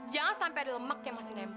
jangan sampai ada lemak yang masih nempel